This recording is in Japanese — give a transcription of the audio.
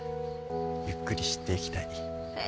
「ゆっくり知っていきたい」へえ。